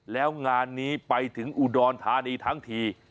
แล้วงานนี้ไปถึงอุดรธานีทั้งที